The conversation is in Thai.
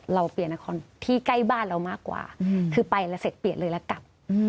เราเปลี่ยนนครที่ใกล้บ้านเรามากกว่าคือไปแล้วเสร็จเปลี่ยนเลยแล้วกลับ